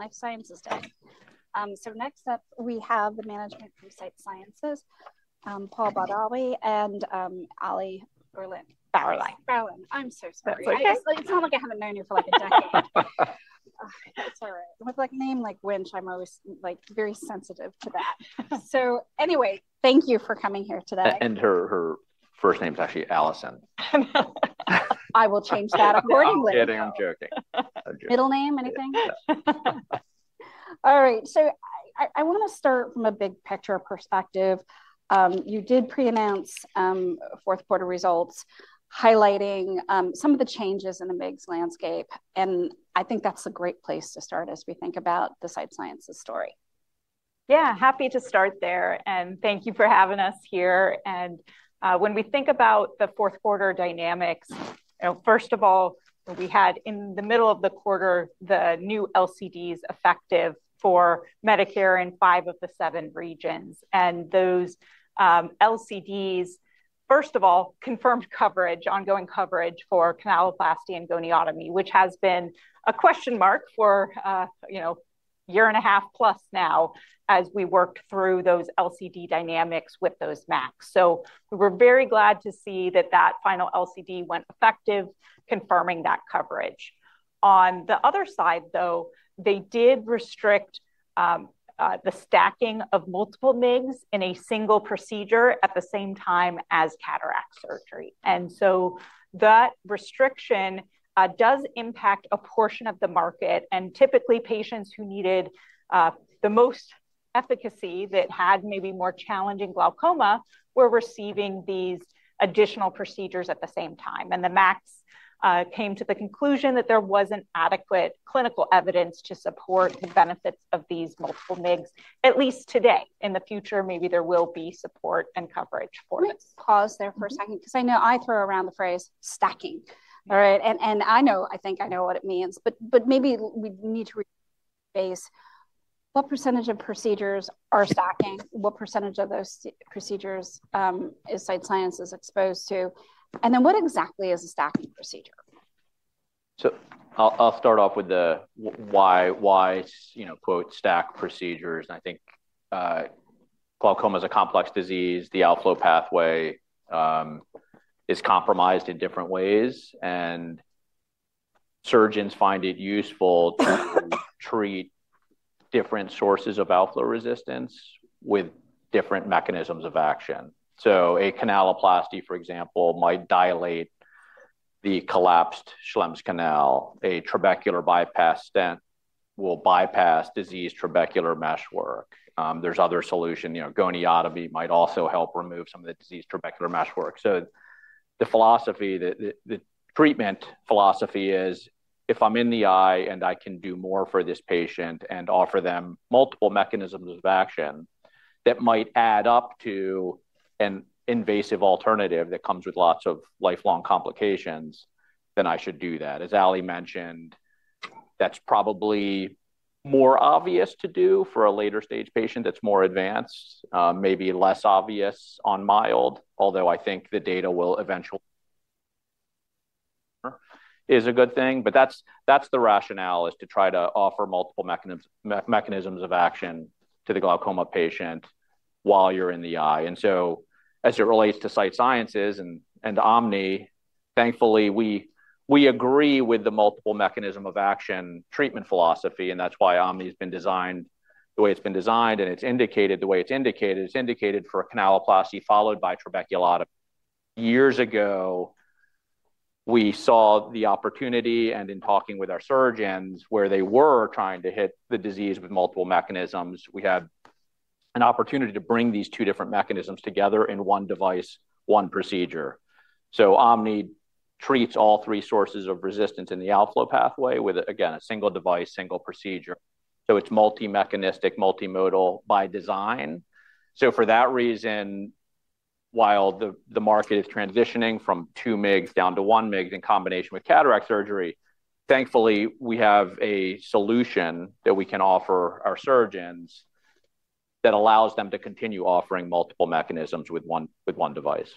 Life Sciences Day. Next up we have the management from Sight Sciences, Paul Badawi and Ali Bauerlein. Bauerlein. I'm so sorry. It's not like I haven't known you for like a decade. It's all right. With a name like Wuensch, I'm always very sensitive to that. Anyway, thank you for coming here today. Her first name is actually Alison. I will change that accordingly. I'm kidding. I'm joking. Middle name, anything? Yes. All right. I want to start from a big picture perspective. You did pre-announce fourth quarter results, highlighting some of the changes in the MIGS landscape. I think that's a great place to start as we think about the Sight Sciences story. Yeah, happy to start there. Thank you for having us here. When we think about the fourth quarter dynamics, first of all, we had in the middle of the quarter, the new LCDs effective for Medicare in five of the seven regions. Those LCDs, first of all, confirmed coverage, ongoing coverage for canaloplasty and goniotomy, which has been a question mark for a year and a half plus now as we worked through those LCD dynamics with those MACs. We were very glad to see that that final LCD went effective, confirming that coverage. On the other side, though, they did restrict the stacking of multiple MIGS in a single procedure at the same time as cataract surgery. That restriction does impact a portion of the market. Typically, patients who needed the most efficacy that had maybe more challenging glaucoma were receiving these additional procedures at the same time. The MACs came to the conclusion that there was not adequate clinical evidence to support the benefits of these multiple MIGS, at least today. In the future, maybe there will be support and coverage for this. Let's pause there for a second because I know I throw around the phrase stacking. All right. I know, I think I know what it means. Maybe we need to rephrase what percentage of procedures are stacking, what percentage of those procedures is Sight Sciences exposed to, and then what exactly is a stacking procedure? I'll start off with the why quote stack procedures. I think glaucoma is a complex disease. The outflow pathway is compromised in different ways. Surgeons find it useful to treat different sources of outflow resistance with different mechanisms of action. A canaloplasty, for example, might dilate the collapsed Schlemm's canal. A trabecular bypass stent will bypass diseased trabecular meshwork. There are other solutions. Goniotomy might also help remove some of the diseased trabecular meshwork. The philosophy, the treatment philosophy is, if I'm in the eye and I can do more for this patient and offer them multiple mechanisms of action that might add up to an invasive alternative that comes with lots of lifelong complications, then I should do that. As Ali mentioned, that's probably more obvious to do for a later stage patient that's more advanced, maybe less obvious on mild, although I think the data will eventually is a good thing. That's the rationale, to try to offer multiple mechanisms of action to the glaucoma patient while you're in the eye. As it relates to Sight Sciences and OMNI, thankfully, we agree with the multiple mechanism of action treatment philosophy. That's why OMNI has been designed the way it's been designed. It's indicated the way it's indicated. It's indicated for a canaloplasty followed by trabeculotomy. Years ago, we saw the opportunity. In talking with our surgeons, where they were trying to hit the disease with multiple mechanisms, we had an opportunity to bring these two different mechanisms together in one device, one procedure. OMNI treats all three sources of resistance in the outflow pathway with, again, a single device, single procedure. It is multi-mechanistic, multi-modal by design. For that reason, while the market is transitioning from two MIGS down to one MIG in combination with cataract surgery, thankfully, we have a solution that we can offer our surgeons that allows them to continue offering multiple mechanisms with one device.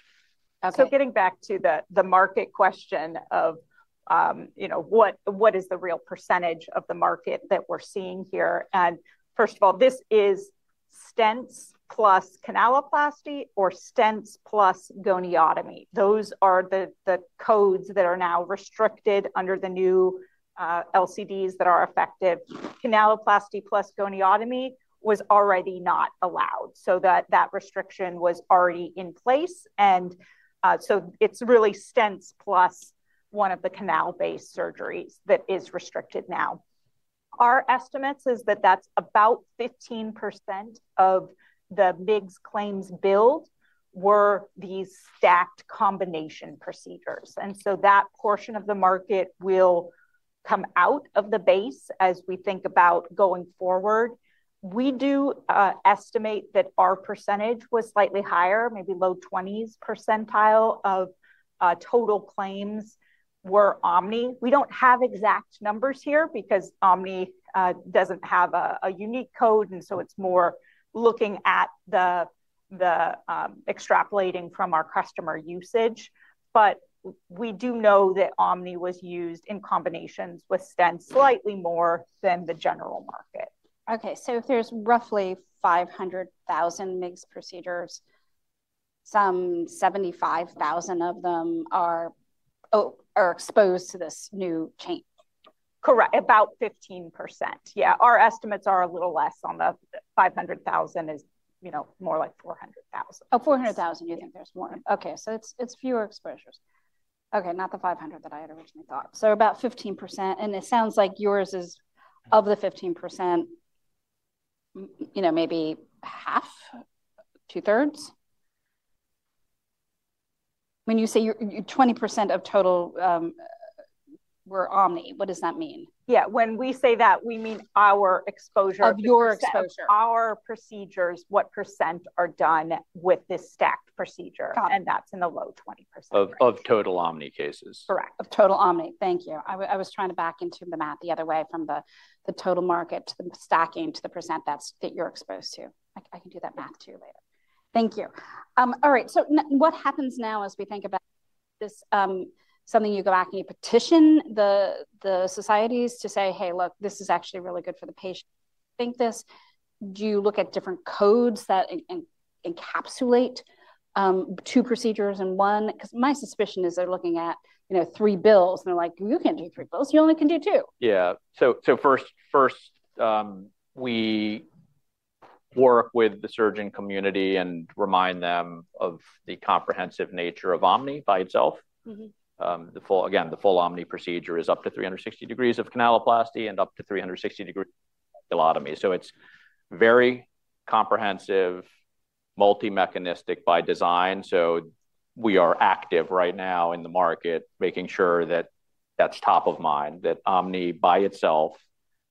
Getting back to the market question of what is the real percentage of the market that we're seeing here? First of all, this is stents plus canaloplasty or stents plus goniotomy. Those are the codes that are now restricted under the new LCDs that are effective. Canaloplasty plus goniotomy was already not allowed. That restriction was already in place. It is really stents plus one of the canal-based surgeries that is restricted now. Our estimate is that about 15% of the MIGS claims billed were these stacked combination procedures. That portion of the market will come out of the base as we think about going forward. We do estimate that our percentage was slightly higher, maybe low 20s percentile of total claims were OMNI. We don't have exact numbers here because OMNI doesn't have a unique code. It is more looking at extrapolating from our customer usage. We do know that OMNI was used in combinations with stents slightly more than the general market. Okay. If there are roughly 500,000 MIGS procedures, some 75,000 of them are exposed to this new change? Correct. About 15%. Yeah. Our estimates are a little less on the 500,000 is more like 400,000. Oh, 400,000, you think there's more? Okay. It's fewer exposures. Not the 500,000 that I had originally thought. About 15%. It sounds like yours is of the 15%, maybe 1/2, two-thirds? When you say 20% of total were OMNI, what does that mean? Yeah. When we say that, we mean our exposure. Of your exposure. Our procedures, what percent are done with this stacked procedure? That is in the low 20%. Of total OMNI cases. Correct. Of total OMNI. Thank you. I was trying to back into the math the other way from the total market to the stacking to the percent that you're exposed to. I can do that math to you later. Thank you. All right. What happens now as we think about this? Something you go back and you petition the societies to say, Hey, look, this is actually really good for the patient. Think this. Do you look at different codes that encapsulate two procedures in one? Because my suspicion is they're looking at three bills. And they're like, You can't do three bills. You only can do two. Yeah. First, we work with the surgeon community and remind them of the comprehensive nature of OMNI by itself. Again, the full OMNI procedure is up to 360 degrees of canaloplasty and up to 360 degrees of goniotomy. It is very comprehensive, multi-mechanistic by design. We are active right now in the market making sure that is top of mind, that OMNI by itself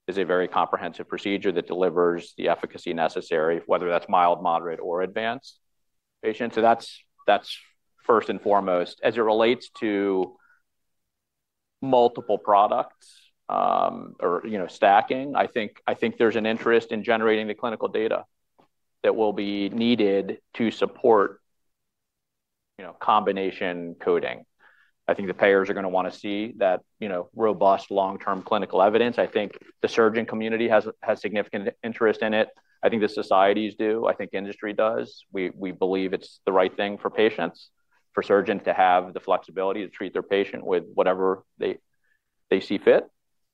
is a very comprehensive procedure that delivers the efficacy necessary, whether that is mild, moderate, or advanced patients. That is first and foremost. As it relates to multiple products or stacking, I think there is an interest in generating the clinical data that will be needed to support combination coding. I think the payers are going to want to see that robust long-term clinical evidence. I think the surgeon community has significant interest in it. I think the societies do. I think industry does. We believe it's the right thing for patients, for surgeons to have the flexibility to treat their patient with whatever they see fit.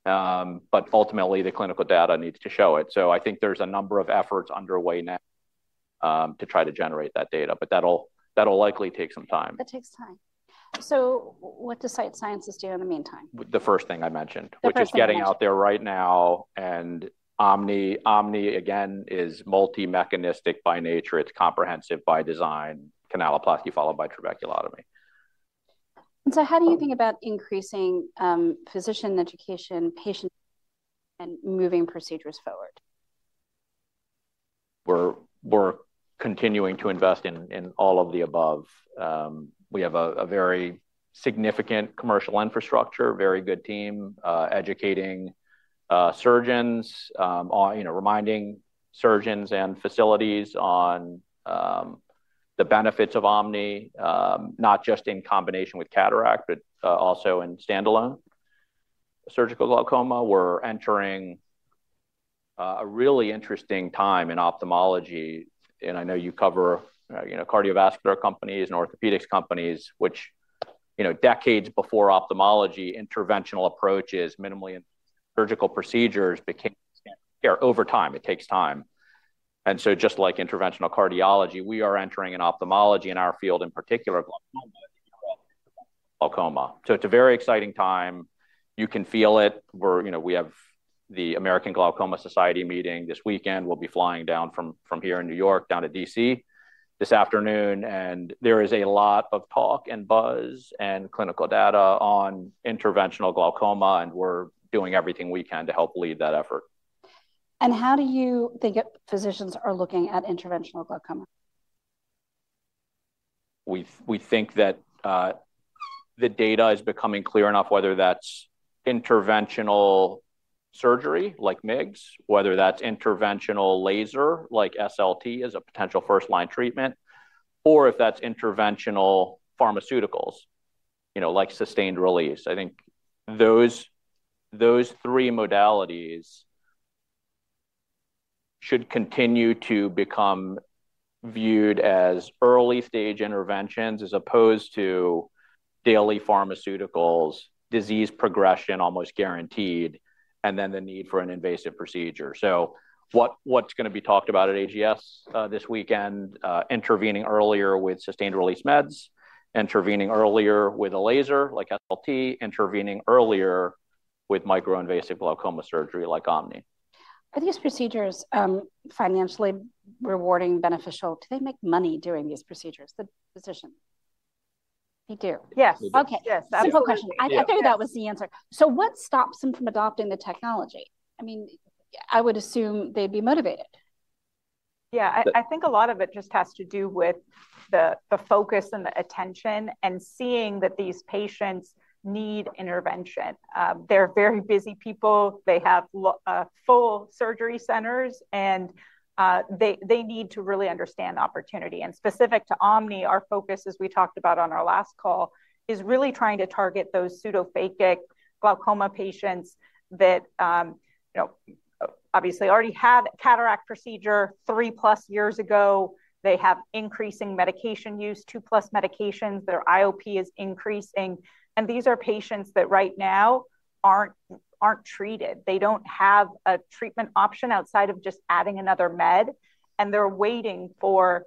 Ultimately, the clinical data needs to show it. I think there's a number of efforts underway now to try to generate that data. That'll likely take some time. That takes time. What does Sight Sciences do in the meantime? The first thing I mentioned, which is getting out there right now. OMNI, again, is multi-mechanistic by nature. It's comprehensive by design, canaloplasty followed by trabeculotomy. How do you think about increasing physician education, patient education, and moving procedures forward? We're continuing to invest in all of the above. We have a very significant commercial infrastructure, very good team, educating surgeons, reminding surgeons and facilities on the benefits of OMNI, not just in combination with cataract, but also in standalone surgical glaucoma. We're entering a really interesting time in ophthalmology. I know you cover cardiovascular companies and orthopedics companies, which decades before ophthalmology, interventional approaches, minimally surgical procedures became over time. It takes time. Just like interventional cardiology, we are entering in ophthalmology and our field in particular, glaucoma. It is a very exciting time. You can feel it. We have the American Glaucoma Society meeting this weekend. We'll be flying down from here in New York down to DC this afternoon. There is a lot of talk and buzz and clinical data on interventional glaucoma. We are doing everything we can to help lead that effort. How do you think physicians are looking at interventional glaucoma? We think that the data is becoming clear enough, whether that's interventional surgery like MIGS, whether that's interventional laser like SLT as a potential first-line treatment, or if that's interventional pharmaceuticals like sustained release. I think those three modalities should continue to become viewed as early-stage interventions as opposed to daily pharmaceuticals, disease progression almost guaranteed, and then the need for an invasive procedure. What's going to be talked about at AGS this weekend? Intervening earlier with sustained-release meds, intervening earlier with a laser like SLT, intervening earlier with microinvasive glaucoma surgery like OMNI. Are these procedures financially rewarding, beneficial? Do they make money doing these procedures, the physicians? They do. Yes. Okay. That's a quick question. I thought that was the answer. What stops them from adopting the technology? I mean, I would assume they'd be motivated. Yeah. I think a lot of it just has to do with the focus and the attention and seeing that these patients need intervention. They're very busy people. They have full surgery centers. They need to really understand opportunity. Specific to OMNI, our focus, as we talked about on our last call, is really trying to target those pseudophakic glaucoma patients that obviously already had cataract procedure 3+ years ago. They have increasing medication use, 2+ medications. Their IOP is increasing. These are patients that right now aren't treated. They don't have a treatment option outside of just adding another med. They're waiting for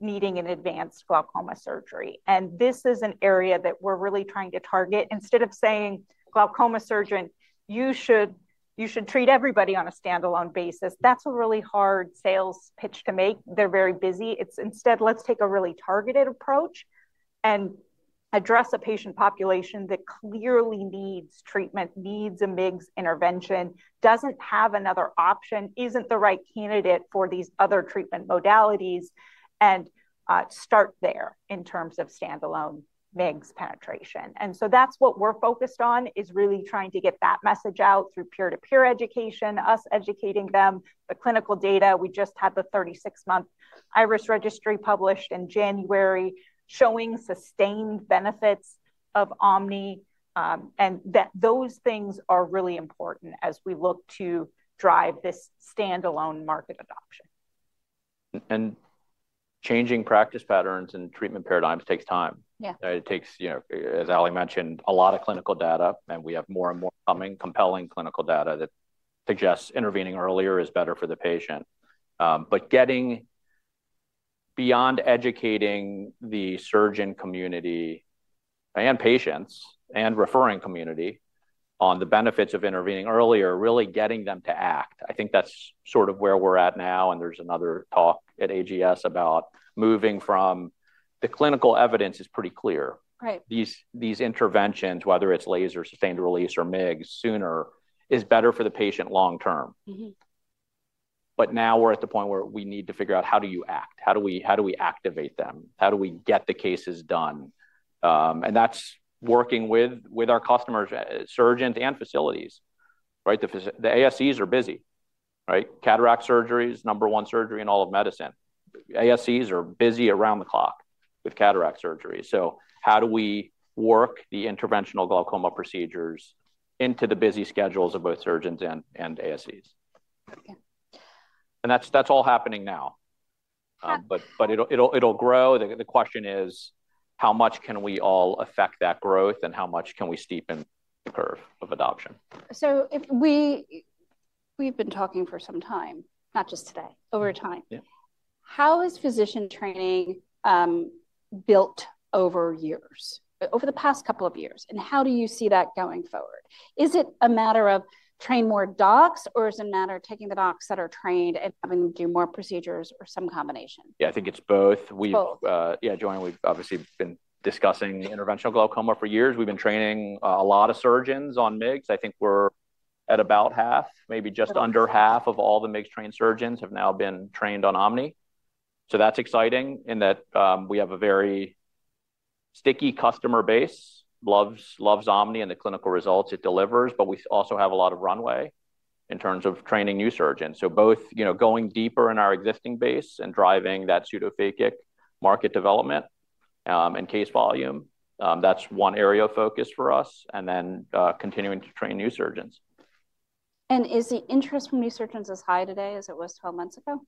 needing an advanced glaucoma surgery. This is an area that we're really trying to target. Instead of saying, glaucoma surgeon, you should treat everybody on a standalone basis, that's a really hard sales pitch to make. They're very busy. It's instead, let's take a really targeted approach and address a patient population that clearly needs treatment, needs a MIGS intervention, doesn't have another option, isn't the right candidate for these other treatment modalities, and start there in terms of standalone MIGS penetration. That is what we're focused on, is really trying to get that message out through peer-to-peer education, us educating them, the clinical data. We just had the 36-month IRIS Registry published in January showing sustained benefits of OMNI. Those things are really important as we look to drive this standalone market adoption. Changing practice patterns and treatment paradigms takes time. It takes, as Ali mentioned, a lot of clinical data. We have more and more compelling clinical data that suggests intervening earlier is better for the patient. Getting beyond educating the surgeon community and patients and referring community on the benefits of intervening earlier, really getting them to act. I think that's sort of where we're at now. There is another talk at AGS about moving from the clinical evidence is pretty clear. These interventions, whether it's laser, sustained release, or MIGS, sooner is better for the patient long-term. Now we're at the point where we need to figure out how do you act? How do we activate them? How do we get the cases done? That's working with our customers, surgeons and facilities. The ASCs are busy. Cataract surgery is the number one surgery in all of medicine. ASCs are busy around the clock with cataract surgery. How do we work the interventional glaucoma procedures into the busy schedules of both surgeons and ASCs? That is all happening now. It will grow. The question is, how much can we all affect that growth? How much can we steepen the curve of adoption? We have been talking for some time, not just today, over time. How is physician training built over years, over the past couple of years? How do you see that going forward? Is it a matter of training more docs, or is it a matter of taking the docs that are trained and having them do more procedures, or some combination? Yeah. I think it's both. Yeah, Joanne, we've obviously been discussing interventional glaucoma for years. We've been training a lot of surgeons on MIGS. I think we're at about half, maybe just under half of all the MIGS-trained surgeons have now been trained on OMNI. That's exciting in that we have a very sticky customer base, loves OMNI and the clinical results it delivers. We also have a lot of runway in terms of training new surgeons. Both going deeper in our existing base and driving that pseudophakic market development and case volume, that's one area of focus for us. Continuing to train new surgeons. Is the interest from new surgeons as high today as it was 12 months ago?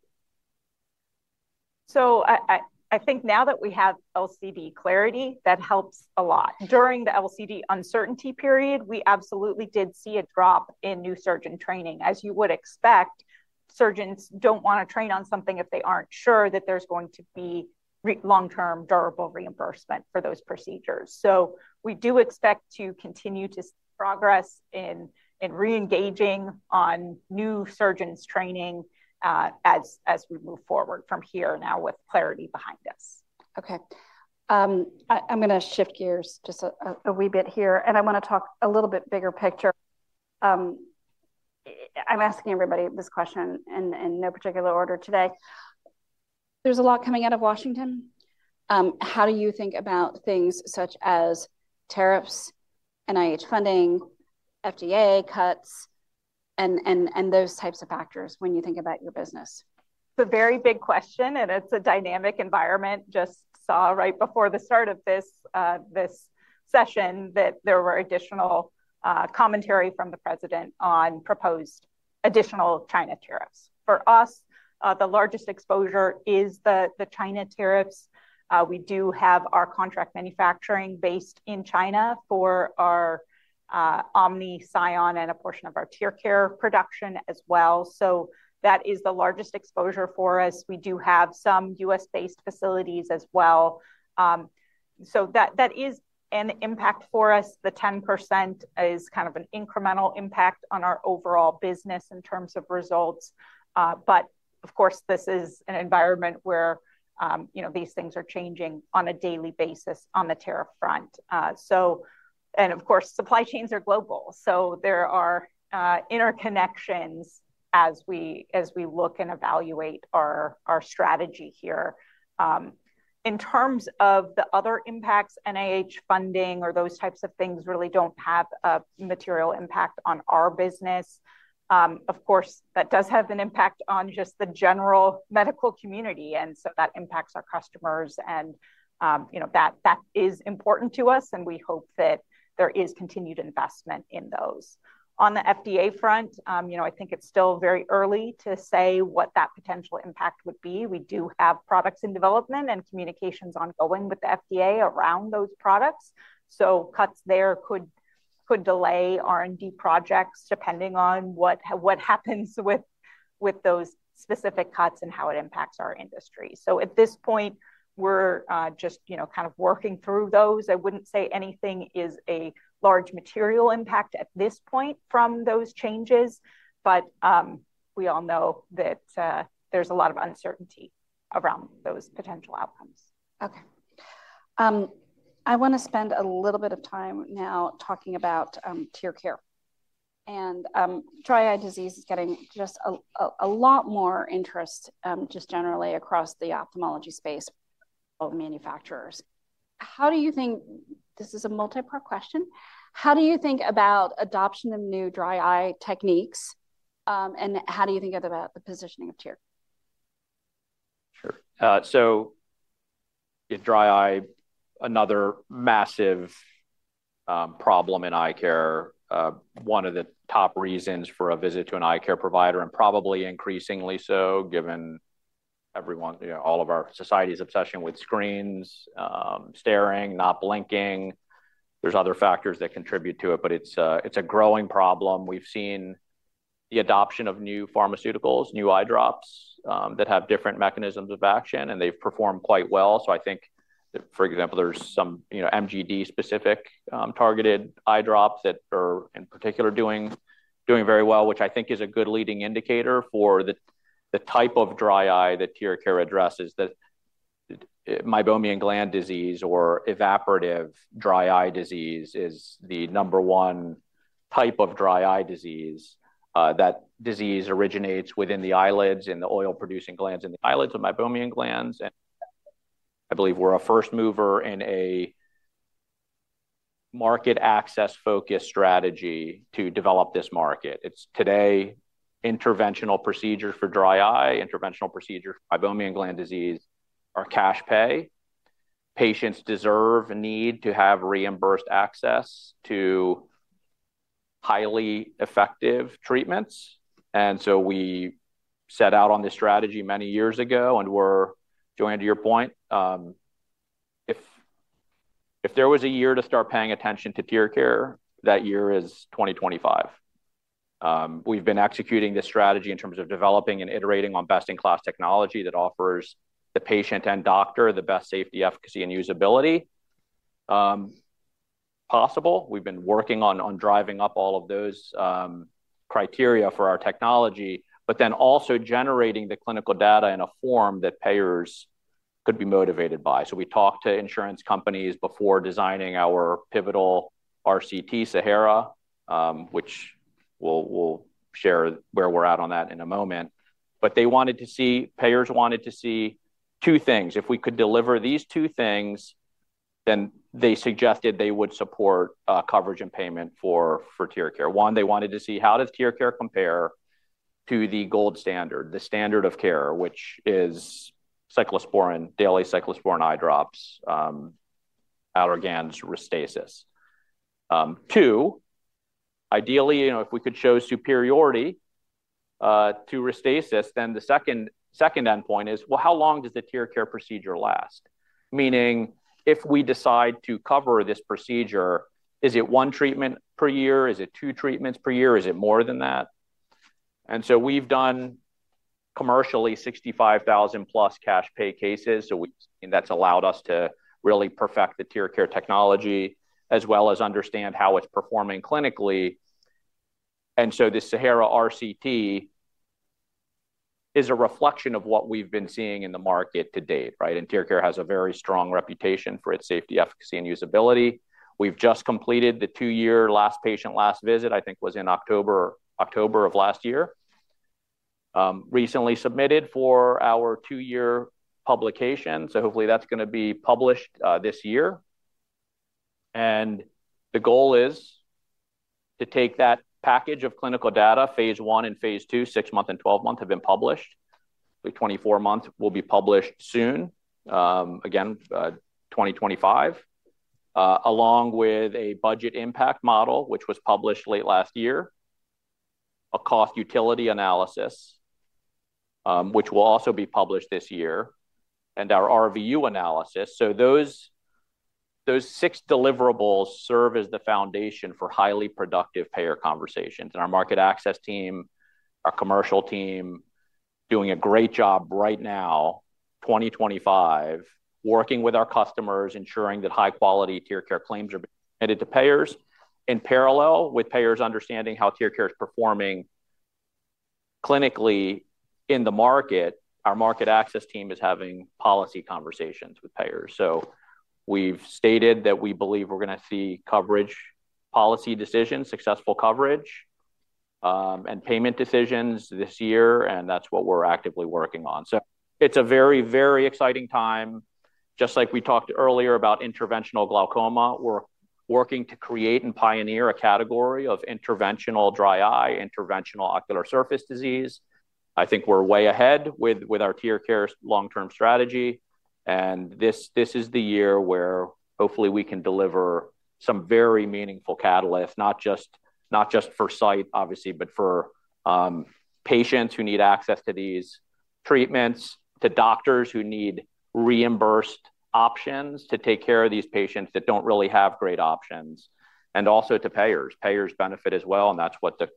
I think now that we have LCD clarity, that helps a lot. During the LCD uncertainty period, we absolutely did see a drop in new surgeon training. As you would expect, surgeons do not want to train on something if they are not sure that there is going to be long-term durable reimbursement for those procedures. We do expect to continue to see progress in reengaging on new surgeons' training as we move forward from here now with clarity behind us. Okay. I'm going to shift gears just a wee bit here. I want to talk a little bit bigger picture. I'm asking everybody this question in no particular order today. There's a lot coming out of Washington. How do you think about things such as tariffs, NIH funding, FDA cuts, and those types of factors when you think about your business? It's a very big question. It's a dynamic environment. Just saw right before the start of this session that there were additional commentary from the president on proposed additional China tariffs. For us, the largest exposure is the China tariffs. We do have our contract manufacturing based in China for our OMNI, SION, and a portion of our TearCare production as well. That is the largest exposure for us. We do have some U.S. based facilities as well. That is an impact for us. The 10% is kind of an incremental impact on our overall business in terms of results. Of course, this is an environment where these things are changing on a daily basis on the tariff front. Supply chains are global. There are interconnections as we look and evaluate our strategy here. In terms of the other impacts, NIH funding or those types of things really do not have a material impact on our business. Of course, that does have an impact on just the general medical community. That impacts our customers. That is important to us. We hope that there is continued investment in those. On the FDA front, I think it is still very early to say what that potential impact would be. We do have products in development and communications ongoing with the FDA around those products. Cuts there could delay R&D projects depending on what happens with those specific cuts and how it impacts our industry. At this point, we are just kind of working through those. I would not say anything is a large material impact at this point from those changes. We all know that there's a lot of uncertainty around those potential outcomes. Okay. I want to spend a little bit of time now talking about TearCare. And dry eye disease is getting just a lot more interest just generally across the ophthalmology space of manufacturers. How do you think this is a multi-part question. How do you think about adoption of new dry eye techniques? And how do you think about the positioning of TearCare? Sure. Dry eye, another massive problem in eye care. One of the top reasons for a visit to an eye care provider, and probably increasingly so given all of our society's obsession with screens, staring, not blinking. There are other factors that contribute to it. It is a growing problem. We've seen the adoption of new pharmaceuticals, new eye drops that have different mechanisms of action. They've performed quite well. I think, for example, there are some MGD-specific targeted eye drops that are in particular doing very well, which I think is a good leading indicator for the type of dry eye that TearCare addresses. That meibomian gland disease or evaporative dry eye disease is the number one type of dry eye disease. That disease originates within the eyelids and the oil-producing glands in the eyelids and meibomian glands. I believe we're a first mover in a market access-focused strategy to develop this market. Today, interventional procedures for dry eye, interventional procedures for meibomian gland disease are cash pay. Patients deserve and need to have reimbursed access to highly effective treatments. We set out on this strategy many years ago. Joanne, to your point, if there was a year to start paying attention to TearCare, that year is 2025. We've been executing this strategy in terms of developing and iterating on best-in-class technology that offers the patient and doctor the best safety, efficacy, and usability possible. We've been working on driving up all of those criteria for our technology, but then also generating the clinical data in a form that payers could be motivated by. We talked to insurance companies before designing our pivotal RCT, SAHARA, which we'll share where we're at on that in a moment. They wanted to see, payers wanted to see two things. If we could deliver these two things, they suggested they would support coverage and payment for TearCare. One, they wanted to see how does TearCare compare to the gold standard, the standard of care, which is cyclosporine, daily cyclosporine eye drops, Allergan's Restasis. Two, ideally, if we could show superiority to Restasis, then the second endpoint is, how long does the TearCare procedure last? Meaning, if we decide to cover this procedure, is it one treatment per year? Is it two treatments per year? Is it more than that? We have done commercially 65,000+ cash pay cases. That's allowed us to really perfect the TearCare technology as well as understand how it's performing clinically. This SAHARA RCT is a reflection of what we've been seeing in the market to date. TearCare has a very strong reputation for its safety, efficacy, and usability. We've just completed the two-year last patient last visit, I think was in October of last year, recently submitted for our two-year publication. Hopefully, that's going to be published this year. The goal is to take that package of clinical data, phase I and phase II, six month and 12 month have been published. The 24 month will be published soon, again, 2025, along with a budget impact model, which was published late last year, a cost utility analysis, which will also be published this year, and our RVU analysis. Those six deliverables serve as the foundation for highly productive payer conversations. Our market access team, our commercial team, doing a great job right now, 2025, working with our customers, ensuring that high-quality TearCare claims are being submitted to payers. In parallel with payers understanding how TearCare is performing clinically in the market, our market access team is having policy conversations with payers. We have stated that we believe we are going to see coverage policy decisions, successful coverage, and payment decisions this year. That is what we are actively working on. It is a very, very exciting time. Just like we talked earlier about interventional glaucoma, we are working to create and pioneer a category of interventional dry eye, interventional ocular surface disease. I think we are way ahead with our TearCare long-term strategy. This is the year where hopefully we can deliver some very meaningful catalyst, not just for Sight Sciences, obviously, but for patients who need access to these treatments, to doctors who need reimbursed options to take care of these patients that do not really have great options, and also to payers. Payers benefit as well. That is what the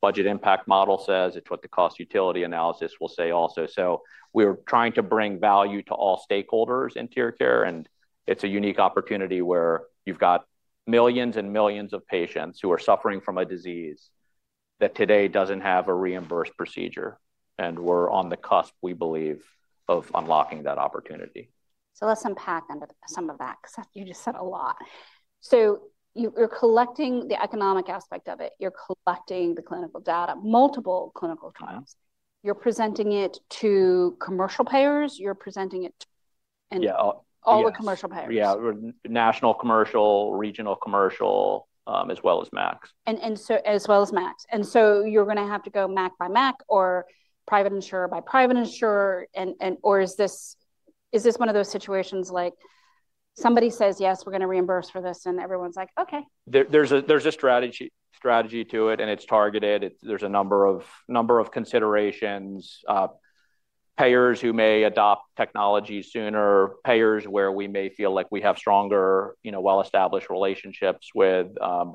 budget impact model says. It is what the cost utility analysis will say also. We are trying to bring value to all stakeholders in TearCare. It is a unique opportunity where you have got millions and millions of patients who are suffering from a disease that today does not have a reimbursed procedure. We are on the cusp, we believe, of unlocking that opportunity. Let's unpack some of that because you just said a lot. You're collecting the economic aspect of it. You're collecting the clinical data, multiple clinical trials. You're presenting it to commercial payers. You're presenting it. All the commercial payers. Yeah. National commercial, regional commercial, as well as MACs. As well as MAC. You are going to have to go MAC by MAC or private insurer by private insurer. Is this one of those situations like somebody says, yes, we are going to reimburse for this, and everyone's like, okay? There's a strategy to it. It's targeted. There are a number of considerations. Payers who may adopt technology sooner, payers where we may feel like we have stronger, well-established relationships with.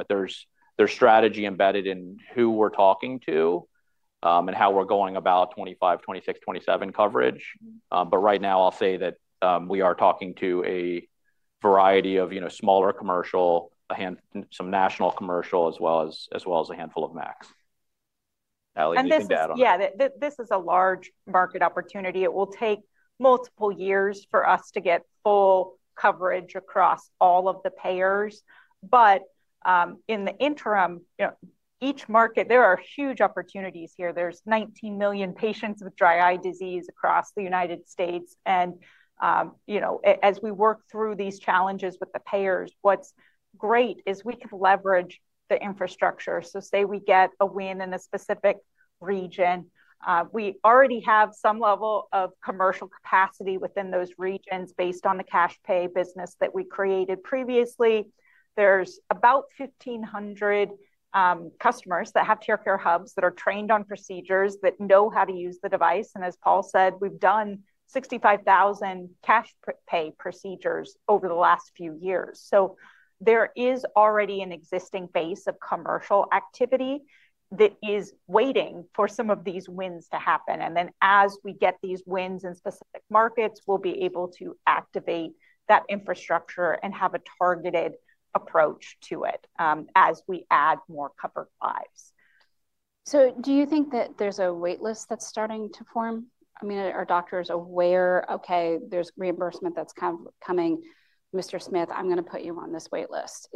There's strategy embedded in who we're talking to and how we're going about 2025, 2026, 2027 coverage. Right now, I'll say that we are talking to a variety of smaller commercial, some national commercial, as well as a handful of MACs. Alison do that one. Yeah. This is a large market opportunity. It will take multiple years for us to get full coverage across all of the payers. In the interim, each market, there are huge opportunities here. There's 19 million patients with dry eye disease across the United States. As we work through these challenges with the payers, what's great is we can leverage the infrastructure. Say we get a win in a specific region, we already have some level of commercial capacity within those regions based on the cash pay business that we created previously. There's about 1,500 customers that have TearCare hubs that are trained on procedures that know how to use the device. As Paul said, we've done 65,000 cash pay procedures over the last few years. There is already an existing base of commercial activity that is waiting for some of these wins to happen. As we get these wins in specific markets, we'll be able to activate that infrastructure and have a targeted approach to it as we add more covered eyes. Do you think that there's a waitlist that's starting to form? I mean, are doctors aware, okay, there's reimbursement that's kind of coming, Mr. Smith, I'm going to put you on this waitlist.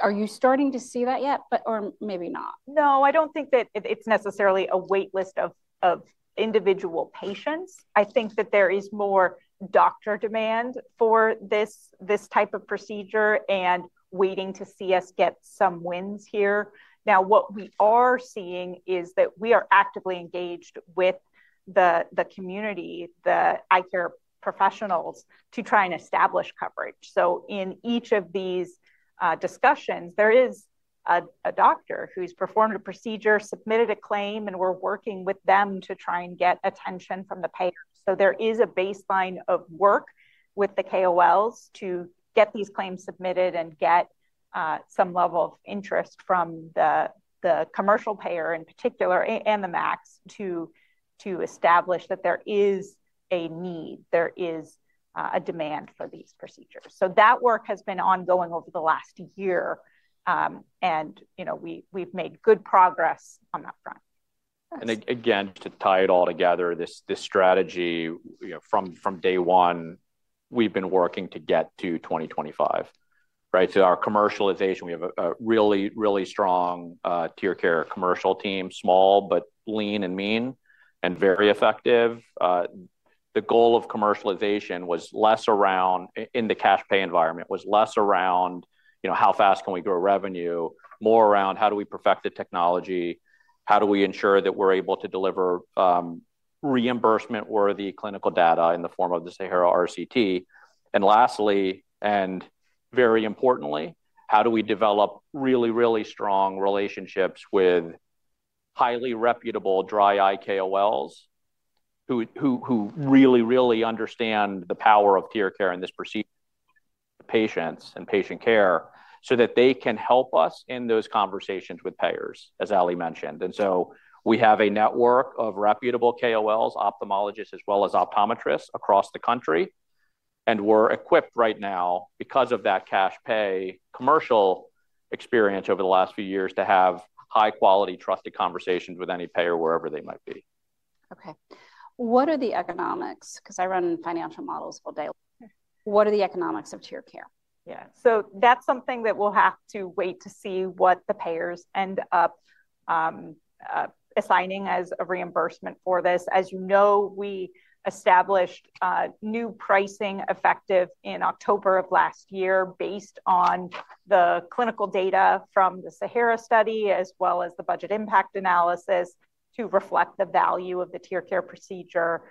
Are you starting to see that yet? Or maybe not. No. I don't think that it's necessarily a waitlist of individual patients. I think that there is more doctor demand for this type of procedure and waiting to see us get some wins here. Now, what we are seeing is that we are actively engaged with the community, the eye care professionals, to try and establish coverage. In each of these discussions, there is a doctor who's performed a procedure, submitted a claim, and we're working with them to try and get attention from the payer. There is a baseline of work with the KOLs to get these claims submitted and get some level of interest from the commercial payer in particular and the MACs to establish that there is a need. There is a demand for these procedures. That work has been ongoing over the last year. We've made good progress on that front. To tie it all together, this strategy from day one, we've been working to get to 2025. Our commercialization, we have a really, really strong TearCare commercial team, small but lean and mean and very effective. The goal of commercialization was less around in the cash pay environment, was less around how fast can we grow revenue, more around how do we perfect the technology, how do we ensure that we're able to deliver reimbursement-worthy clinical data in the form of the SAHARA RCT. Lastly, and very importantly, how do we develop really, really strong relationships with highly reputable dry eye KOLs who really, really understand the power of TearCare in this procedure, patients and patient care, so that they can help us in those conversations with payers, as Ali mentioned. We have a network of reputable KOLs, ophthalmologists, as well as optometrists across the country. We are equipped right now because of that cash pay commercial experience over the last few years to have high-quality, trusted conversations with any payer wherever they might be. Okay. What are the economics? Because I run financial models full day. What are the economics of TearCare? Yeah. That's something that we'll have to wait to see what the payers end up assigning as a reimbursement for this. As you know, we established new pricing effective in October of last year based on the clinical data from the SAHARA study as well as the budget impact analysis to reflect the value of the TearCare procedure.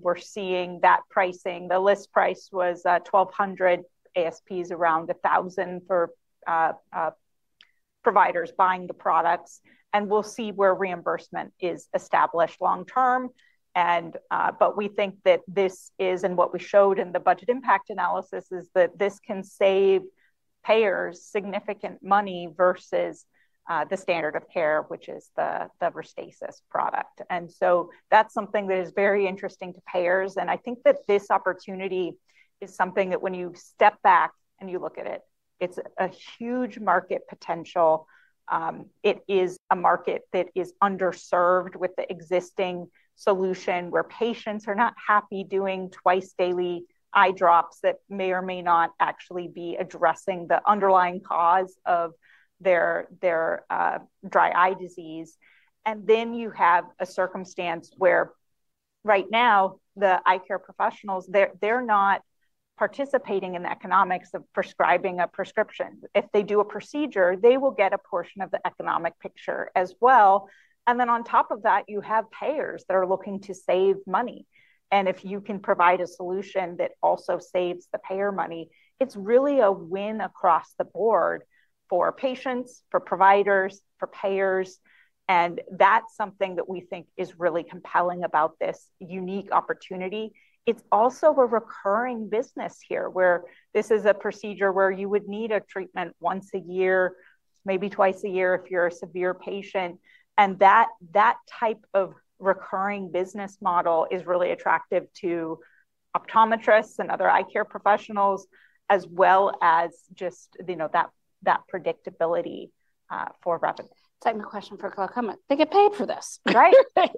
We're seeing that pricing. The list price was $1,200 ASPs, around $1,000 for providers buying the products. We'll see where reimbursement is established long term. We think that this is, and what we showed in the budget impact analysis, is that this can save payers significant money versus the standard of care, which is the Restasis product. That's something that is very interesting to payers. I think that this opportunity is something that when you step back and you look at it, it's a huge market potential. It is a market that is underserved with the existing solution where patients are not happy doing twice daily eye drops that may or may not actually be addressing the underlying cause of their dry eye disease. You have a circumstance where right now, the eye care professionals, they're not participating in the economics of prescribing a prescription. If they do a procedure, they will get a portion of the economic picture as well. On top of that, you have payers that are looking to save money. If you can provide a solution that also saves the payer money, it's really a win across the board for patients, for providers, for payers. That is something that we think is really compelling about this unique opportunity. It is also a recurring business here where this is a procedure where you would need a treatment once a year, maybe twice a year if you are a severe patient. That type of recurring business model is really attractive to optometrists and other eye care professionals as well as just that predictability for revenue. Type of question for [glaucoma. They get paid for this. Right. That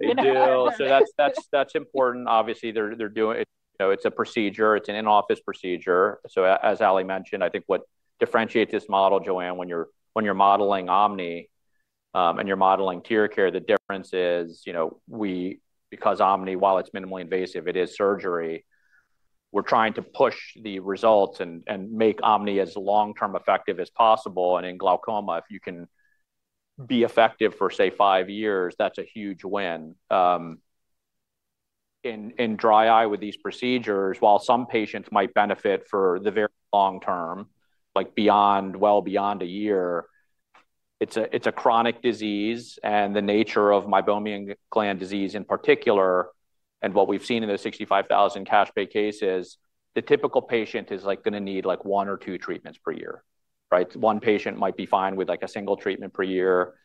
is important. Obviously, it is a procedure. It is an in-office procedure. As Ali mentioned, I think what differentiates this model, Joanne, when you are modeling OMNI and you are modeling TearCare, the difference is because OMNI, while it is minimally invasive, it is surgery, we are trying to push the results and make OMNI as long-term effective as possible. In glaucoma, if you can be effective for, say, five years, that is a huge win. In dry eye with these procedures, while some patients might benefit for the very long term, like well beyond a year, it is a chronic disease. The nature of meibomian gland disease in particular, and what we have seen in the 65,000 cash pay cases, the typical patient is going to need one or two treatments per year. One patient might be fine with a single treatment per year.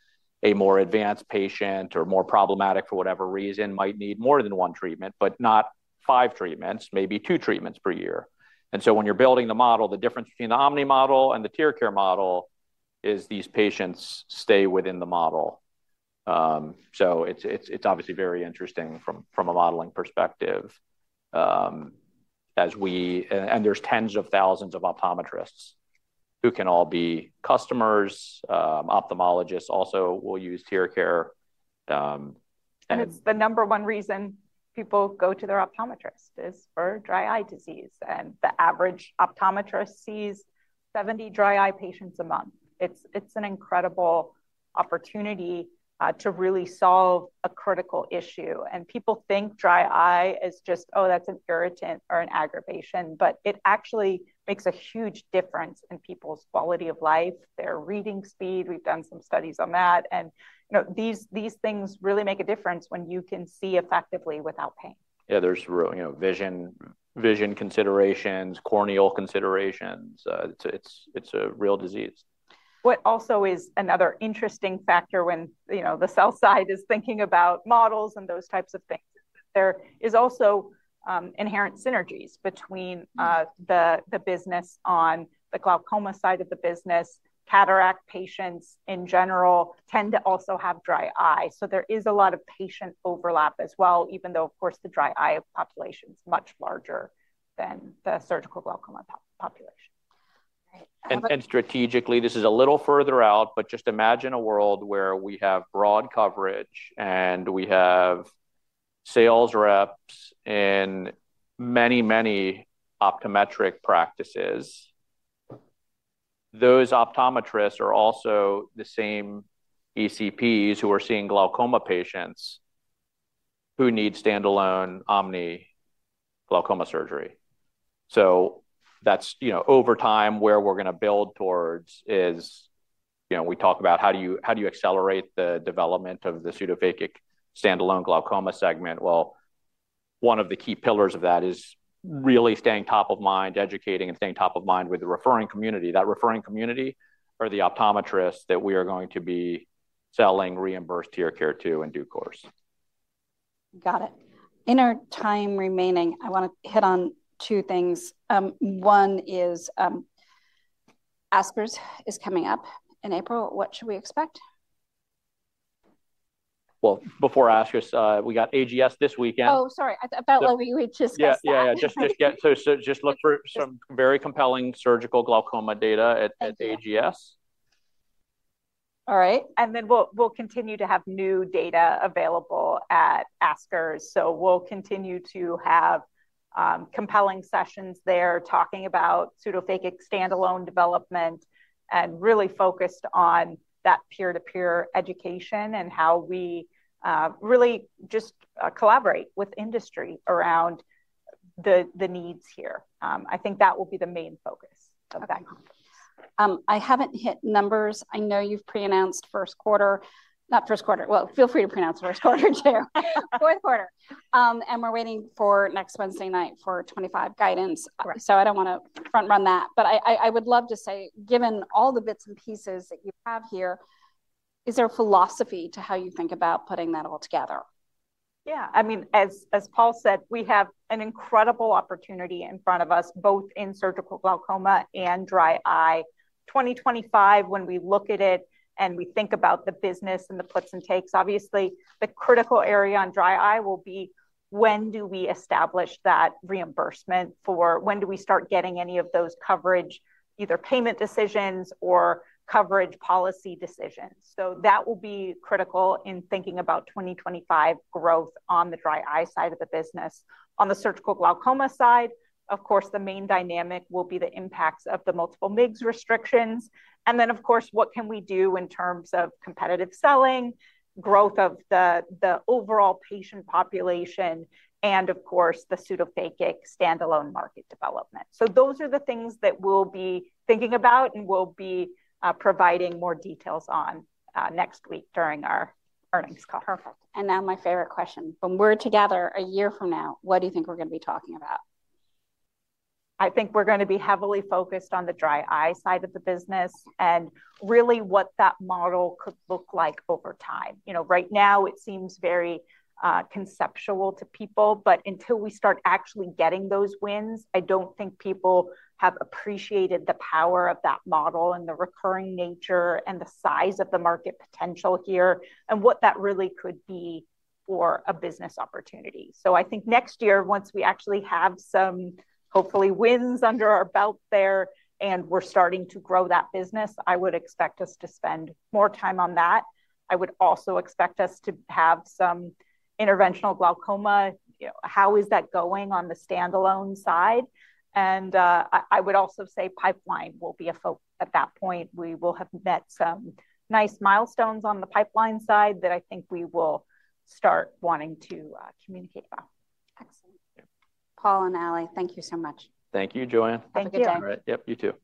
A more advanced patient or more problematic for whatever reason might need more than one treatment, but not five treatments, maybe two treatments per year. When you're building the model, the difference between the OMNI model and the TearCare model is these patients stay within the model. It is obviously very interesting from a modeling perspective. There are tens of thousands of optometrists who can all be customers. Ophthalmologists also will use TearCare. It is the number one reason people go to their optometrist is for dry eye disease. The average optometrist sees 70 dry eye patients a month. It is an incredible opportunity to really solve a critical issue. People think dry eye is just, oh, that is an irritant or an aggravation. It actually makes a huge difference in people's quality of life, their reading speed. We have done some studies on that. These things really make a difference when you can see effectively without pain. Yeah. There's vision considerations, corneal considerations. It's a real disease. What also is another interesting factor when the sell side is thinking about models and those types of things is that there are also inherent synergies between the business on the glaucoma side of the business. Cataract patients in general tend to also have dry eye. There is a lot of patient overlap as well, even though, of course, the dry eye population is much larger than the surgical glaucoma population. Strategically, this is a little further out. Just imagine a world where we have broad coverage and we have sales reps in many, many optometric practices. Those optometrists are also the same ECPs who are seeing glaucoma patients who need standalone OMNI glaucoma surgery. Over time, where we're going to build towards is we talk about how do you accelerate the development of the pseudophakic standalone glaucoma segment. One of the key pillars of that is really staying top of mind, educating and staying top of mind with the referring community. That referring community are the optometrists that we are going to be selling reimbursed TearCare to in due course. Got it. In our time remaining, I want to hit on two things. One is ASCRS is coming up in April. What should we expect? Before ASCRS, we got AGS this weekend. Oh, sorry. I felt like we just got some. Yeah, yeah. Just look for some very compelling surgical glaucoma data at AGS. All right. We will continue to have new data available at ASCRS. We will continue to have compelling sessions there talking about pseudophakic standalone development and really focused on that peer-to-peer education and how we really just collaborate with industry around the needs here. I think that will be the main focus of that conference. I haven't hit numbers. I know you've pre-announced first quarter. Not first quarter. Feel free to pronounce first quarter too. Fourth quarter. And we're waiting for next Wednesday night for 2025 guidance. I don't want to front-run that. I would love to say, given all the bits and pieces that you have here, is there a philosophy to how you think about putting that all together? Yeah. I mean, as Paul said, we have an incredible opportunity in front of us both in surgical glaucoma and dry eye. 2025, when we look at it and we think about the business and the puts and takes, obviously, the critical area on dry eye will be when do we establish that reimbursement for when do we start getting any of those coverage, either payment decisions or coverage policy decisions. That will be critical in thinking about 2025 growth on the dry eye side of the business. On the surgical glaucoma side, of course, the main dynamic will be the impacts of the multiple MIGS restrictions. Of course, what can we do in terms of competitive selling, growth of the overall patient population, and of course, the pseudophakic standalone market development. Those are the things that we'll be thinking about and we'll be providing more details on next week during our earnings call. Perfect. Now my favorite question. When we're together a year from now, what do you think we're going to be talking about? I think we're going to be heavily focused on the dry eye side of the business and really what that model could look like over time. Right now, it seems very conceptual to people. Until we start actually getting those wins, I don't think people have appreciated the power of that model and the recurring nature and the size of the market potential here and what that really could be for a business opportunity. I think next year, once we actually have some hopefully wins under our belt there and we're starting to grow that business, I would expect us to spend more time on that. I would also expect us to have some interventional glaucoma. How is that going on the standalone side? I would also say pipeline will be a focus at that point. We will have met some nice milestones on the pipeline side that I think we will start wanting to communicate about. Excellent. Paul and Ali, thank you so much. Thank you, Joanne. Thank you, Joanne. Yep, you too.